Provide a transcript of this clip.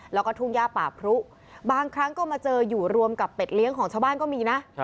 แล้วก็ทุ่งย่าป่าพรุบางครั้งก็มาเจออยู่รวมกับเป็ดเลี้ยงของชาวบ้านก็มีนะ